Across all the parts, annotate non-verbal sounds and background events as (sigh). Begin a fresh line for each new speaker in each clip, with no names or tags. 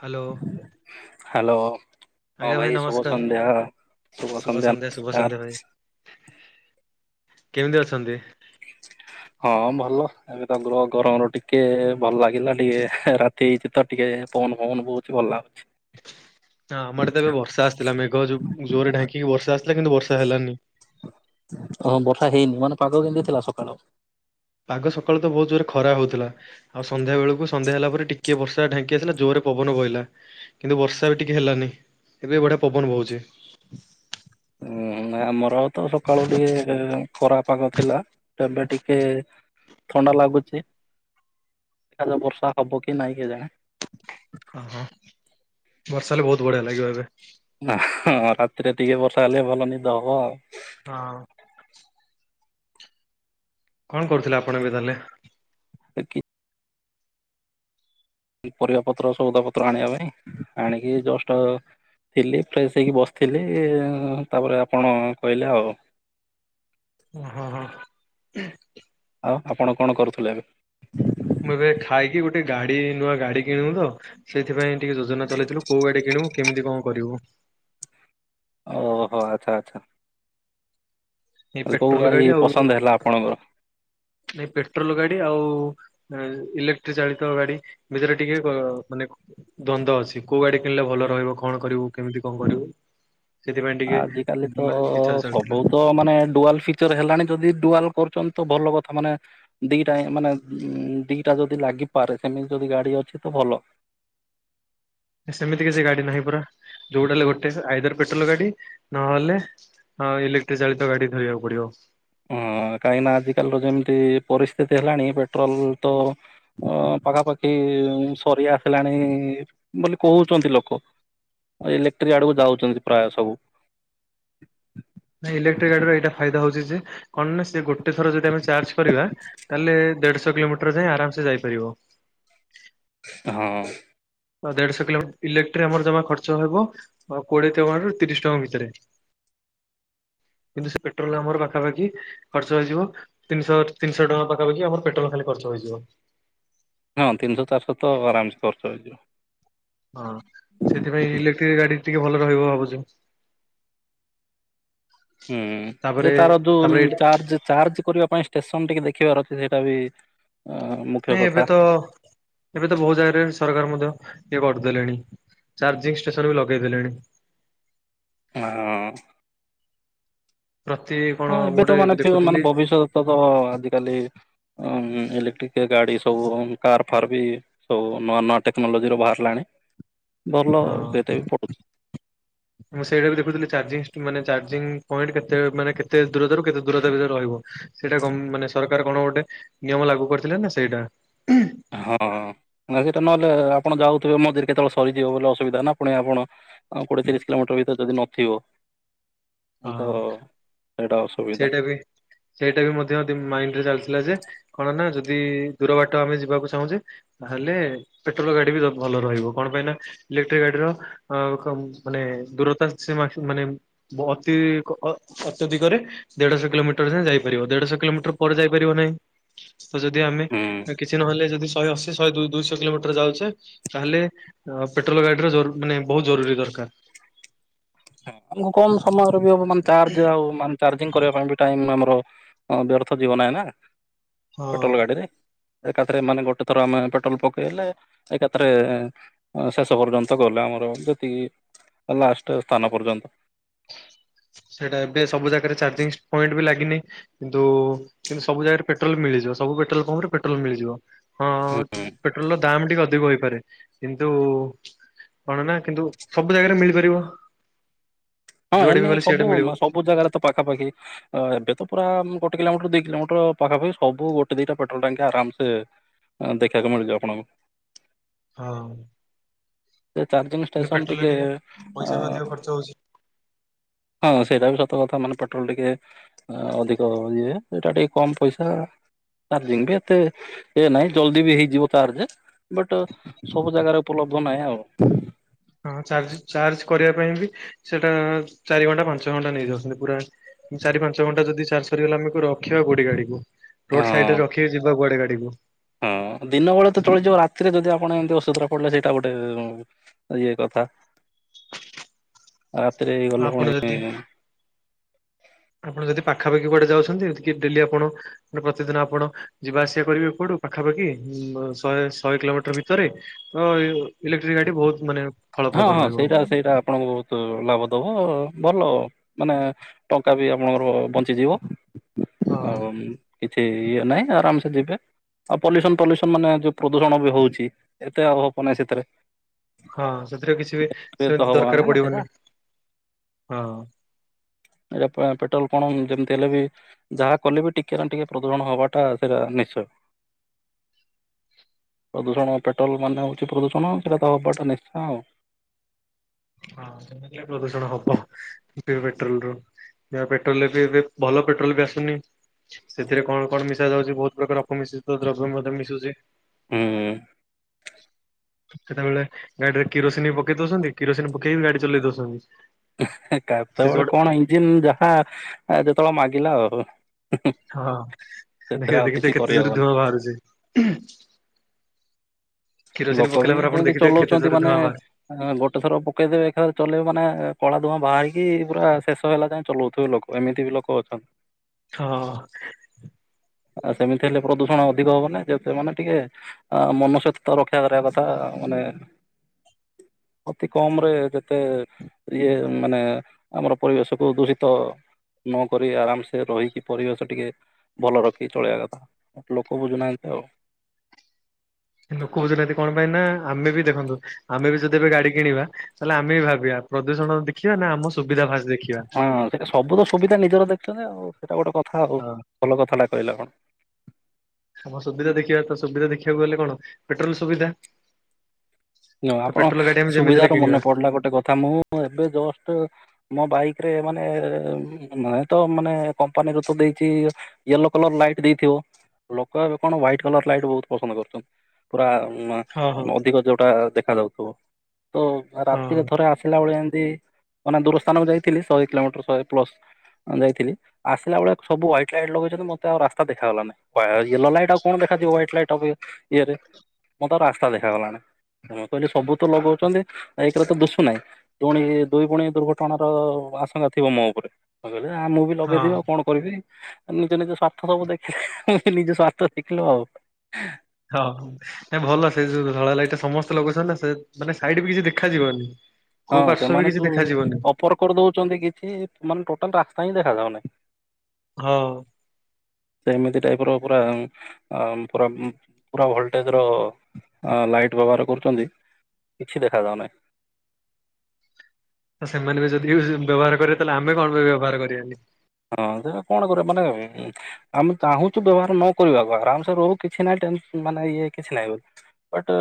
Hello
hello
ଆଜ୍ଞା
ହଁ ଭାଇ ଶୁଭ
ନମସ୍କାର
ସନ୍ଧ୍ୟା ଶୁଭ ସନ୍ଧ୍ୟା ନମସ୍କାର।
କେମତି ଅଛନ୍ତି?
ହଁ ଭଲ। ଏବେ ତ ଗ୍ରହ ଗରମର ଟିକେ ଭଲ ଲାଗିଲା ଟିକେ ରାତି ହେଇଛି ତ ଟିକେ ପବନ ଫବନ ବହୁଛି ଭଲ ଲାଗୁଛି।
ହଁ ଆମର ତ ଏବେ ବର୍ଷା ଆସିଥିଲା ମେଘ ଜୋ ଜୋରରେ ଢାଙ୍କିକି ବଷା ଆସିଥିଲା କିନ୍ତୁ ବର୍ଷା ହେଲାନି।
ଓହ ବର୍ଷା ହେଇନି ମାନେ ପାଗ କେମିତି ଥିଲା ସକାଳ
ପାଗ ସକାଳୁ ତ ବହୁତ୍ ଜୋରେ ଖରା ହଉଥିଲା। ଆଉ ସନ୍ଧ୍ୟା ବେଳକୁ ସନ୍ଧ୍ୟା ହେଲା ପରେ ଟିକେ ବର୍ଷା ଢାଙ୍କି ଆସିଲା ଯୋରେ ପବନ ବହିଲା। କିନ୍ତୁ ବର୍ଷା ବି ଟିକେ ହେଲାନି ଏବେ ବଢିଆ ପବନ ବହୁଛି।
ଉଁ ଆମର ତ ସକାଳୁ ଟିକେ ଏ ଖରା ପାଗ ଥିଲା ଏବେ ଟିକେ ଥଣ୍ଡା ଲାଗୁଚି ଏଯଉ ବର୍ଷା ହବ କି ନାଇଁ କେ ଜାଣି।
ହଁ ହଁ ବର୍ଷାହେଲେ ବହୁତ୍ ବଢିଆ ଲାଗିବ ଏବେ।
ନା ହଁ ରାତିରେ ଟିକେ ବର୍ଷା ହେଲେ ଭଲ ନିଦ ହବ।
ହଁ। କଣ କରୁଥିଲେ ଆପଣ ଏବେ ତାହେଲେ?
ଏ କି। କି ପରିବା ପତ୍ର ସଉଦା ପତ୍ର ଆଣିବା ପାଇଁ ଆଣିକି ଜଷ୍ଟ। ଥିଲି ଫ୍ରେଶ ହେଇକି ବସିଥିଲି ତାପରେ ଆପଣ କଇଲେ ଆଉ
ଉଁ ହଁ ହଁ।
ଆଉ ଆପଣ କଣ କରୁଥିଲେ ଏବେ?
ମୁଁ ଏବେ ଖାଇକି ଗୋଟେ ଗାଡି ନୂଆ ଗାଡି କିଣିବୁ ତ ସେଇଥିପାଇଁ ଟିକେ ଯୋଜନା ଚଲେଇଥିଲୁ, କୋଉ ଗାଡି କିଣିବୁ କେମିତି କଣ କରିବୁ?
ଓହୋ ଆଚ୍ଛା ଆଚ୍ଛା।
ଏଇ
ଯୋଉ
ପେଟ୍ରୋଲ
ଗାଡି
ଆଉ
ପସନ୍ଦ ହେଲା ଆପଣଙ୍କର।
ନାଇଁ ପେଟ୍ରୋଲ ଗାଡି ଆଉ ଏ ଇଲେକ୍ଟ୍ରି ଚାଳିତ ଗାଡି ଭିତରେ ଟିକେ କ ମାନେ ଦ୍ୱନ୍ଦ ଅଛି କୋଉ ଗାଡି କିଣିଲେ ଭଲ ରହିବ, କଣ କରିବୁ କେମିତି କଣ କରିବୁ। ସେଥିପାଇଁ ଟିକେ
ଆଜ କାଲି ତ
ମାନେ ବିଚାର ଚାଲିଥିଲା
ସବୁ ତ ମାନେ ଡୁଆଲ ଫିକ ଫିଚର୍ ହେଲାଣି ଯଦି ଡୁଆଲ କରୁଛନ୍ତି ତ ଭଲ କଥା ମାନେ ଦିଟା ମାନେ ଦିଟା ଯଦି ଲାଗିପାରେ ସେମିତି ଯଦି ଗାଡି ଅଛି ତ ଭଲ
ସେମିତି କିଛି ଗାଡି ନାହିଁ ପରା ଯୋଉଟା ହେଲେ ଗୋଟେ ଆଇଦର ପେଟ୍ରୋଲ ଗାଡି ନହଲେ ହଁ ଇଲେକ୍ଟ୍ରିକ ଚାଳିତ ଗାଡି ଧୋଇବାକୁ ପଡିବ।
ହଁ କାହିଁକି ନାଁ ଆଜିକାଲିର ଯେମିତି ପରିସ୍ଥିତି ହେଲାଣି ପେଟ୍ରୋଲ ତ ଅ ପାଖାପାଖି ସରି ଆସିଲାଣି ବୋଲି କହୁଛନ୍ତି ଲୋକ। ଅ ଇଲେକ୍ଟ୍ରିକ୍ ଆଡକୁ ଯାଉଛନ୍ତି ପ୍ରାୟ ସବୁ।
ନାଁ ଇଲେକ୍ଟ୍ରିକ ଗାଡି ର ଏଇଟା ଫାଇଦା ହଉଛି ଯେ କଣ ନା ସେ ଗୋ ଗୋଟେ ଥର ଯଦି ଆମେ ଚାର୍ଜ କରିବା ତାହେଲେ ଦେଢଶହ କିଲୋମିଟର ଯାଏ ଆରାମସେ ଯାଇପାରିବ।
ହଁ।
ଦେଢଶହ କିଲୋମି ଇଲେକ୍ଟ୍ରି ଆମର ଜମା ଖର୍ଚ୍ଚ ହେବ କୋଡିଏ ଟଙ୍କାରୁ ତିରିଶ ଟଙ୍କା ଭିତରେ। କିନ୍ତୁ ସେ ପେଟ୍ରୋଲ ଆମର ପାଖାପାଖି ଖର୍ଚ୍ଚ ହେଇଯିବ ତିନିଶ ତିନିଶହ ଟଙ୍କା ପାଖାପାଖି ଆମର ପେଟ୍ରୋଲ ଖାଲି ଖର୍ଚ୍ଚ ହେଇଯିବ।
ହଁ ତିନିଶ ଚାରିଶ ତ ଆରାମ ସେ ଖର୍ଚ୍ଚ ହେଇଯିବ।
ହଁ ସେଥିପାଇଁ ଇଲେକ୍ଟ୍ରି ଗାଡି ଟିକେ ଭଲ ରହିବ ଭାବୁଛୁ।
ହୁଁ ଯେ
ତାପରେ
ତାର ଦୁ
ତାପରେ ଏଇଟା
ଚାର୍ଜ ଚାର୍ଜ କରିବା ପାଇଁ ଟେସନ ଟିକେ ଦେଖିବାର ଅଛି ସେଇଟା ବି ଉଁ ମୁ
ନାଇଁ ଏବେ ତ ଏବେ ତ ବହୁତ୍ ଜାଗାରେ ସରକାର ମଧ୍ୟ ଇଏ କରିଦଲେଣି ଚାର୍ଜିଂଙ୍ଗ ଷ୍ଟେସର ବି ଲଗେଇ ଦେଲେଣି।
ହଁ।
ପ୍ରତି କଣ
ହଁ
ମୁଁ
ଏବେ
ଗୋଟେ
ତ ମାନେ ଫି ମାନେ
ଦେଖୁଥିଲି
ଭବିଷ୍ୟତ ତ ଆଜିକାଲି। ଅ ଇଲେକ୍ଟ୍ରି କେ ଗାଡି ସବୁ କାର ଫାର୍ ବି ସବୁ ନୂଆ ନୂଆ ଟେକ୍ନୋଲୋଜିର ବାହାରିଲାଣି ଭଲ
ହଁ
ସେତେ ବି ପଡୁଛି।
(inaudible) ମୁଁ ସେଇଟା ବି ଦେଖୁଥିଲି ଚାଜିଷ୍ଟି ମାନେ ଚାଜିଂଙ୍ଗି ପଏଣ୍ଟ କେତେ ମାନେ କେତେ ଦୂରତାରୁ କେତେ ଦୂରତା ଭିତରେ ରହିବ। ସେଇଟା କମ ମାନେ ସରକାର କଣ ଗୋଟେ ନିୟମ ଲାଗୁ କରିଥିଲେ ନା ସେଇଟା ହୁଁ।
ହଁ ମଝିରେ ନହେଲେ ଆପଣ ଯାଉଥିବେ ମଝିରେ କେତେବେଳେ ସରିଯିବ ବୋଲି ଅସୁବିଧା ନା ପୁଣି ଆପଣ ହଁ କୋଡ଼ିଏ ତିରିଶ କିଲୋମିଟର ଭିତରେ ଯଦି ନଥିବ ତ
ହଁ
ସେଇଟା ଅସୁବିଧା।
ସେଇଟା ବି ସେଇଟା ବି ମଧ୍ୟ ଦି ମାଇଣ୍ଡ ରେ ଚାଲିଥିଲା ଯେ କଣ ନା ଯଦି ଦୂର ବାଟ ଆମେ ଯିବାକୁ ଚାହୁଁଛେ ତାହେଲେ ପେଟ୍ରୋଲ ଗାଡି ବି ଭଲ ରହିବ କଣ ପାଇଁ ନା ଇଲେକ୍ଟ୍ରିକ ଗାଡିର ଆ କମ ମାନେ ଦୂରତା ସେମ ମାନେ ବହୁତି ଅ ଅତ୍ୟଧିକରେ ଦେଢଶହ କିଲୋମିଟର ଯାଏଁ ଯାଇପାରିବ ଦେଢଶହ କିଲୋମିଟର ପରେ ଯାଇପାରିବ ନାହିଁ। ତ ଯଦି ଆମେ
ହୁଁ।
କିଛି ନହେଲେ ଯଦି ଶହେ ଅଶୀ ଶହେ ଦୁ ଦୁଇଶହ କିଲୋମିଟର ଯାଉଛେ ତାହେଲେ ଅ ପେଟ୍ରୋଲ ଗାଡିର ଜରୁ ମାନେ ବହୁତ ଜରୁରୀ ଦରକାର।
ଆମକୁ କମ ସମୟରେ ବି ହବ ମାନେ ଚାର୍ଜ ଆଉ ମାନେ ଚାଜିଂଙ୍ଗି କରିବା ପାଇଁ ଟାଇମ ଆମର ହଁ ବ୍ୟର୍ଥ ଯିବ ନାହିଁ ନା
ହଁ
ପେଟ୍ରୋଲ ଗାଡ଼ିରେ। ଏକାଥରେ ମାନେ ଗୋଟେ ଥର ଆମେ ପେଟ୍ରୋଲ ପକେଇଲେ ଏକାଥରେ ଶେଷ ପର୍ଯ୍ୟନ୍ତ ଗଲେ ଆମର ଯେତିକି ଲାଷ୍ଟ ସ୍ଥାନ ପର୍ଯ୍ୟନ୍ତ।
ସେଇଟା ଏବେ ସବୁ ଜାଗାରେ ଚାର୍ଜିଂ ସ୍ ପଏଣ୍ଟ ବି ଲାଗିନି। କିନ୍ତୁ କିନ୍ତୁ ସବୁ ଜାଗାରେ ପେଟ୍ରୋଲ ମିଳିଯିବ ସବୁ ପେଟ୍ରୋଲ ପମ୍ପ ରେ ପେଟ୍ରୋଲ ମିଳିଯିବ। ହଁ ପେଟ୍ରୋଲର ଦାମ୍ ଟିକେ ଅଧିକ ହେଇପାରେ କିନ୍ତୁ କଣ ନା କିନ୍ତୁ ସବୁ ଜାଗାରେ ମିଳିପାରିବ।
ହଁ
ଯୁଆଡେ ବି
ଏନେ
ଗଲେ ସିଆଡେ
ସବୁ
ମିଳିବ।
ସବୁ ଜାଗାରେ ତ ପାଖାପାଖି ଏବେ ତ ପୁରା ଗୋଟେ କିଲୋମିଟର ଦି କିଲୋମିଟର ପାଖାପଖି ସବୁ ଗୋଟେ ଦିଟା ପେଟ୍ରୋଲ ଟାଙ୍କି ଆରାମସେ ଦେଖିବାକୁ ମିଳିଯିବ ଆପଣଙ୍କୁ।
ହଁ।
ସେ ଚାର୍ଜିଙ୍ଗି
କିନ୍ତୁ
ଷ୍ଟେସନ
ପେଟ୍ରୋଲରେ
ଟିକେ
ପଇସା
ଅ
ବି ଅଧିକ ଖର୍ଚ୍ଚ ହଉଛି।
ହଁ ସେଇଟା ବି ସତ କଥା ମାନେ ପେଟ୍ରୋଲ ଟିକେ ଅ ଅଧିକ ଇଏ ଏଇଟା ଟିକେ କମ ପଇସା। ଚାର୍ଜିଙ୍ଗି ବି ଏତେ ଇଏ ନାହିଁ ଜଲଦି ବି ହେଇଯିବ ଚାର୍ଜେ ବଟ୍ ସବୁ ଜାଗାରେ ଉପଲବ୍ଧ ନାହିଁ ଆଉ।
ହଁ ଚାର୍ଜ ଚାର୍ଜ କରିବା ପାଇଁ ବି ସେଇଟା ଚାରି ଘଣ୍ଟା ପାଞ୍ଚ ଘଣ୍ଟା ନେଇଯାଉଛନ୍ତି ପୁରା। ଚାରି ପାଞ୍ଚ ଘଣ୍ଟା ଯଦି ଚାର୍ଜ ସରିଗଲା ଆମେ ରଖିବା କୋଉଠି ଗାଡିକୁ? ରୋଡ ସାଇଟି
ହଁ
ରେ ରଖିକି ଯିବା କୁଆଡେ ଗାଡିକୁ?
ହଁ ଦିନ ବେଳେ ତ ଚଳିଯିବ ରାତିରେ ଯଦି ଆପଣ ଏମିତି ଅସୁବିଧାରେ ପଡିଲା ସେଇଟା ଗୋଟେ ଇଏ କଥା। ରାତିରେ ଏଇ ଗଲେ
ଆପଣ ଯଦି
ପୁଣି
ଆପଣ ଯଦି ପାଖାପାଖି କୁଆଡେ ଯାଉଛନ୍ତି କି ଡେଲି ଆପଣ ପ୍ରତିଦିନ ଆପଣ ଯିବା ଆସିବା କରିବେ କୁଆଡୁ ପାଖାପାଖି ଉବ ଶହେ ଶହେ କିଲୋମିଟର ଭିତରେ ତ ଅ ଇଲେକ୍ଟ୍ରିକ ଗାଡି ବହୁତ ମାନେ
ହଁ
ଫଳପ୍ରଦ
ହଁ
ରହିବ।
ସେଇଟା ସେଇଟା ଆପଣଙ୍କୁ ତ ଲାଭ ଦେବ ଭଲ ମାନେ ଟଙ୍କା ବି ଆପଣଙ୍କର ବଞ୍ଚିଯିବ।
ହଁ
ଆଉ କିଛି ଇଏ ନାହିଁ ଆରାମସେ ଯିବେ। ଆଉ ପଲ୍ୟୁସନ ପଲ୍ୟୁସନ ମାନେ ଯୋଉ ପ୍ରଦୂଷଣ ବି ହଉଛି ଏତେ ଆଉ ହବ ନାହିଁ ସେଥିରେ।
ହଁ ସେଥିରେ କିଛି ବି
ଏ ତ
ସେମିତି
ହବ ନା
ଦରକାର
ନା ସେଇଟା
ପଡିବନି। ହଁ।
ଏଟା ଅ ପେ ପେଟୋଲ କଣ ଯେମିତି ହେଲେ ବି। ଯାହା କଲେ ବି ଟିକେ ନା ଟିକେ ପ୍ରଦୂଷଣ ହବାଟା ସେଟା ନିଶ୍ଚୟ। ପ୍ରଦୂଷଣ ପେଟ୍ରୋଲ ମାନେ ହଉଛି ପ୍ରଦୂଷଣ। ସେଟା ତ ହବାଟା ନିଶ୍ଚୟ ଆଉ।
ହଁ ସେମିତି ହେଲେ ପ୍ରଦୂଷଣ ହବ ପେଟ୍ରୋଲ ରୁ (unintelligible) ପେଟ୍ରୋଲରେ ବି ଏବେ ଭଲ ପେଟ୍ରୋଲ ବି ଆସୁନି। ସେଥିରେ କଣ କଣ ମିଶା ଯାଉଛି ବହୁତ ପ୍ରକାର ଅପ ମିଶ୍ରିତ ଦ୍ରବ୍ୟ ମଧ୍ୟ ମିଶୁଛି।
ହୁଁ।
ସେତେବେଳେ ଗାଡିରେ କିରୋସିନି ବି ପକେଇ ଦଉଛନ୍ତି। କିରୋସିନି ପକେଇବି ଗାଡ଼ି ଚଲେଇ ଦୋଉଛନ୍ତି।
କେତେବେଳେ କଣ ଇଞ୍ଜିିନ ଯାହା ଯେତେବେଳେ ମାଗିଲା ଆଉ।
ହଁ
ସେଥିରେ
ଦେଖିବ
ଆଉ
ଦେଖି
କିଛି
ଦେଖି କେତେ ଜୋର
କରିହବନି
ଧୂଆଁ ବାହାରୁଚି।
ଲୋକ ବି ସେମିତି ଚଲଉଛନ୍ତି
ଜୋରେ
ମାନେ।
ଧୂଆଁ ବାହାରୁଛି
ଗୋଟେ ଥର ପକେଇଦେବେ ଏକାଥରେ ଚଲେଇବେ ମାନେ କଳା ଧୁଆଁ ବାହାରିକି ପୁରା ଶେଷ ହେଲା ଯାଏଁ ଚଲଉଥିବେ ଲୋକ। ଏମିତି ବି ଲୋକ ଅଛନ୍ତି।
ହଁ।
ଆ ସେମିତି ହେଲେ ପ୍ରଦୂଷଣ ଅଧିକ ହବନା ଯେତେ ମାନେ ଟିକେ ଅ ମନ ସହିତ ତ ରକ୍ଷା କରିବା କଥା ମାନେ ଅତି କମ୍ ରେ ଯେତେ। ଇଏ ମାନେ ଆମର ପରିବେଶକୁୁ ଦୂଷିତ। ନକରି ଆରାମସେ ରହିକି ପରିବେଶ ଟିକେ ଭଲ ରଖି ଚଳେଇବା କଥା। ଲୋକ ବୁଝୁନାହାନ୍ତି ଆଉ।
ଲୋକ ବୁଝୁନାହାନ୍ତି କଣ ପାଇଁ ନା ଆମେ ବି ଦେଖନ୍ତୁ। ଆମେ ବି ଯଦି ଏବେ ଗାଡି କିଣିବା ତାହେଲେ ଆମେ ବି ଭାବିବା ପ୍ରଦୂଷଣ ଦେଖିବା ନା ଆମ ସୁବିଧା ଭା
ହଁ ସେଟା ସବୁ ତ ସୁବିଧା ନିଜର ଦେଖୁଛନ୍ତି ଆଉ ସେଇଟା ଗୋଟେ କଥା ଆଉ
ହଁ
ଭଲ କଥାଟା କହିଲ ଆପଣ।
ଆମ ସୁବିଧା ଦେଖିବା ତ ସୁବିଧା ଦେଖିବାକୁ ହେଲେ କଣ ପେଟ୍ରୋଲ ସୁବିଧା।
ହ
ତ
ଆପଣ
ପେଟ୍ରୋଲ ଗାଡି ଆମେ ଯେମିତି ହେଲେ
ସୁବିଧାରୁ
କିଣିବା
ମନେ ପଡିଲା ଗୋଟେ କଥା ମୁଁ ଏବେ ଜଷ୍ଟ୍ ମୋ ବାଇକ୍ ରେ ମାନେ ତ ମାନେ କମ୍ପାନୀ ରୁ ତ ଦେଇଛି ୟେଲୋ କଲର ଲାଇଟ୍ ଦେଇଥିବ। ଲୋକ ଏବେ କଣ ହ୍ୱାଇଟ୍ କଲର ଲାଇଟ୍ ବହୁତ୍ ପସନ୍ଦ କରୁଛନ୍ତି। ପୁରା ଉଁ ଅ
ହଁ ହଁ
ଅଧିକ ଯୋଉଟା ଦେଖା ଯାଉଥିବ ତ ରାତିରେ
ହଁ
ଥରେ ଆସ ଥିଲାବେଳେ ଏମିତି ମାନେ ଦୂର ସ୍ଥାନକୁ ଯାଇଥିଲି ଶହେ କିଲୋମିଟର ଶହେ ପ୍ଲସ୍। ଯାଇଥିଲି ଆସିଲାବେଳେ ସବୁ ହ୍ୱାଇଟ୍ ଲାଇଟ୍ ଲଗେଇଚନ୍ତି। ମତେ ଆଉ ରାସ୍ତା ଦେଖାଗଲାନି। ୟେଲୋ ଲାଇଟ୍ ଆଉ କଣ ଦେଖାଯିବ ହ୍ୱାଇଟ ଲାଇଟ୍ ଅପା ଇଏରେ ମତେ ରାସ୍ତା ଦେଖାାଗଲାନି। ମୁଁ କହିଲି ସବୁ ତ ଲଗଉଛନ୍ତି ଏକ୍ ରେ ତ ଦୁସୁନାଇ। ପୁଣି ଦୁଇ ପୁଣି ଦୁର୍ଘଟଣାର ଆଶଙ୍କା ଥିବ ମୋ ଉପରେ ମୁଁ କହିଲି ଆ ମୁଁ ବି ଲଗେଇଦେବି
ହଁ
ଆଉ କଣ। କରିବି ନିଜ ନିଜ ସ୍ୱାର୍ଥ ସବୁ ଦେଖିଲେ ନିଜ ସ୍ୱାର୍ଥ ଦେଖିଲୁ ଆଉ
ହଁ। ନା ଭଲ ସେ ଯୋଉ ଧଳା ଲାଇଟ ସମସ୍ତେ ଲଗାଉଛନ୍ତି ନା ସେ ମାନେ ସାଇଡ୍ ବି କିଛି ଦେଖାଯିବନି। କୋଉ ପାର୍ଶ୍ଵ ବି କିଛି ଦେଖାଯିବନି।
ପର କରି ଦଉଛନ୍ତି କିଛି ମାନେ ଟୋଟାଲ୍ ରାସ୍ତା ହିଁ ଦେଖାଯାଉନାହିଁ।
ହଁ।
ସେମିତି ଟାଇପ ର ପୁରା ଅ ପୁରା ପୁରା ଭୋଲଟେଜ୍ ର। ଅ ଲାଇଟ୍ ବ୍ୟବହାର କରୁଛନ୍ତି କିଛି ଦେଖାାଯାଉନାହିଁ।
ଆ ସେମାନେ ବି ଯଦି ଏ ବ୍ୟବହାର କରିବେ ତାହେଲେ ଆମେ କଣ ପାଇଁ ବ୍ୟବହାର କରିବାନି।
ହଁ ଯେ କଣ କରିବ ମାନେ ଏ ଆମେ ଚାହୁଁଛୁ ବ୍ୟବହାର ନ କରିବାକୁ ଆରାମ୍ ସେ ରହୁ କିଛି ନାହିଁ ଟେନ୍ ମାନେ ଇଏ କିଛି ନାହିଁ। ବଟ୍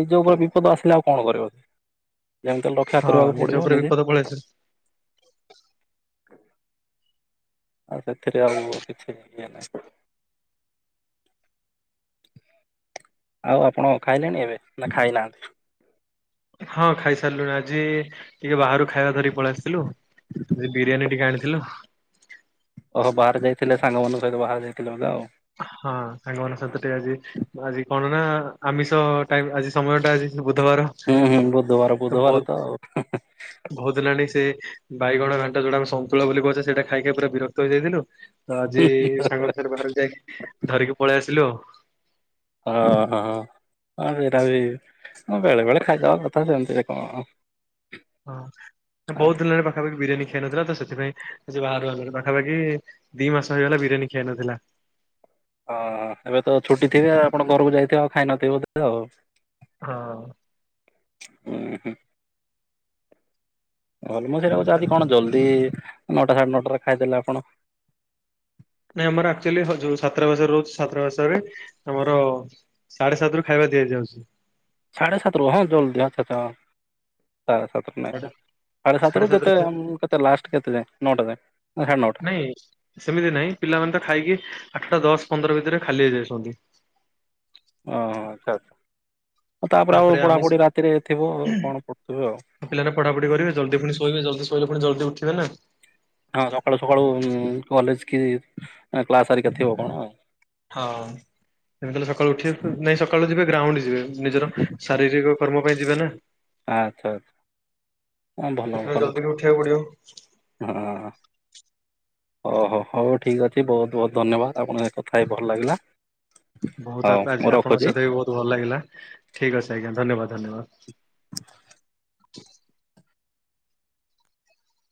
ନିଜ ଉପରେ ବିପଦ ଆସିଲେ ଆଉ କଣ କରିବ? ଯେମିତି ହେଲେ। ରକ୍ଷା କରିବାକୁ ପଡ଼ିବ ନିଜେ।
ପଳେଇଆସ
ଆଉ ସେଥିରେ ଆଉ କିଛି ବି ଇଏ ନାଇଁ। ଆଉ ଆପଣ ଖାଇଲେଣି ଏବେ ନା ଖାଇନାହାନ୍ତି?
ହଁ ଖାଇସାରିଲୁଣି ଆଜି ଟିକେ ବାହାରୁ ଖାଇବା ଧରିକି ପଳେଇ ଆସିଥିଲୁ ବିରିୟାନୀ ଟିକେ ଆଣିଥିଲୁ।
ଓହୋ ବାହାରେ ଯାଇଥିଲେ ସାଙ୍ଗମାନଙ୍କ ସହିତ ବାହାରେ ଯାଇଥିଲେ ବୋଧେ ଆଉ।
ହଁ ସାଙ୍ଗମାନଙ୍କ ସହିତ ଟିକେ ଆଜି ଆଜି କଣ ନା ଆମିଷ ଟାଇମ୍ ଆଜି ସମୟ ଟା ଆଜି ବୁଧବାର।
ହୁଁ-ହୁଁ ବୁଧବାର ବୁଧବାର ତ ଆଉ ହି-ହି।
ବହୁତଦିନ ହେଲାଣି ସେ ବାଇଗଣ ଘାଣ୍ଟ ଯୋଉଟା ଆମେ ସନ୍ତୁଳା ବୋଲି କହୁଛେ ସେଇଟା ଖାଇ-ଖାଇ ପୁରା ବିରକ୍ତ ହେଇଯାଇଥିଲୁ ତ ଆଜି ସାଙ୍ଗ ସାରେ ବାହାରକୁ ଯାଇକି ଧରିକି ପଳେଇ ଆସିଲୁ ଆଉ।
ଅ-ହଁ। ହଁ ସେଇଟା ବି ବେଳେବେଳେ ଖାଇଦବା କଥା ସେମିତିରେ କଣ। ହଁ
ବହୁତ ଦିନରେ ପାଖାପାଖି ବିରିୟାନୀ ଖିଆ ନଥିଲା ତ ସେଥିପାଇଁ ସେ ବାହାରୁ ପାଖାପାଖି ଦି ମାସ ହେଇଗଲା ବିରିୟାନୀ ଖିଆ ନଥିଲା।
ହଁ ଏବେ ତ ଛୁଟି ଥିବେ ଆପଣ ଘରକୁ ଯାଇଥିବେ ଆଉ ଖାଇନଥିବେ ବୋଧେ ଆଉ?
ହଁ।
ହୁଁ ହଁ। ମୁଁ ସେୟା କହୁଚି
ତ
ଆଜି କଣ ଜଲ୍ଦି ନଅଟା ସାଢେ ନଅଟାଟରେ ଖାଇଦେଲେ ଆପଣ?
ନାଇଁ ଆମର ଆକଚୁଆଲି ଯୋଉ ଛାତ୍ରାବାସରେ ରହୁଛି ଛାତ୍ରା ବାସରେ ଆମର ସାଢେ ସାତ ରୁ ଖାଇବା ଦିଆଯାଉଛି।
ସାଢେ ସାତରୁ ହଁ ଜଲଦି ଆଚ୍ଛା ଆଚ୍ଛା ସାଢେ ସାତରୁ। ନାଇଁ
ସାଢେ
ସାଢ଼େ
ସାଢେ
ସାତରୁ ଯେତେ
ଖାଇ
କେତେ ଲାଷ୍ଟ କେତେ ଯାଏ ନଅଟା ଯାଏ ନା ସାଢ଼େ ନଅଟା?
(unintelligible) ସେମିତି ନାହିଁ ପିଲାମାନେ ତ ଖାଇକି ଆଠଟା ଦଶ ପନ୍ଦର ଭିତରେ ଖାଲି ହେଇଯାଉଛନ୍ତି।
ଓହଁ ଆଚ୍ଛା ଆଚ୍ଛା ତାପରେ ଆଉ ପଢ଼ାପଢ଼ି ରାତିରେ ଥିବ କଣ କରୁଥିବେ ଆଉ।
ଆ ପିଲା ରା ପଢାପଢି କରିବେ ଜଲଦି ପୁଣୀ ଶୋଇବେ ଜଲ୍ଦୀ ଶୋଇଲେ ପୁଣି ଜଲ୍ଦୀ ଉଠିବେ ନା।
ହଁ ସକାଳୁ ସକାଳୁ ଉଁ କଲେଜ କି କ୍ଲାସ ହେରିକା ଥିବ କଣ ଆଉ।
ହଁ। ଯେମିତି ହେଲେ ସକାଳୁ ଉଠିବେ ନାଇଁ ସକାଳୁ ଯିବେ ଗ୍ରାଉଣ୍ଡ ଯିବେ ନିଜର ଶାରୀରିକ କର୍ମ ପାଇଁ ଯିବେ ନା।
ଆଚ୍ଛା ଆଚ୍ଛା ଭଲ
ସେଥିପାଇଁ
ଭଲ
ଜଲଦି ବି ଉଠିବାକୁ ପଡ଼ିବ।
ହଁ। ଓହୋ ହଉ ଠିକ୍ ଅଛି ବହୁତ୍ ବହୁତ୍ ଧନ୍ୟବାଦ୍ ଆପଣଙ୍କ କଥା ହେଇ ଭଲ ଲାଗିଲା।
ବହୁତ୍ ଆ
ହଉ ମୁଁ
ଆପଣଙ୍କ
ରଖୁଛି।
ସହିତ ବି ବହୁତ ଭଲ ଲାଗିଲା ଠିକ୍ ଅଛି ଆଜ୍ଞା ଧନ୍ୟବାଦ୍ ଧନ୍ୟବାଦ୍।